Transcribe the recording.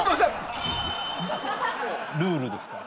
ルールですから。